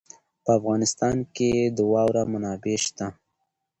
په افغانستان کې د واوره منابع شته.